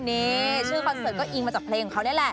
นี่ชื่อคอนเสิร์ตก็อิงมาจากเพลงของเขานี่แหละ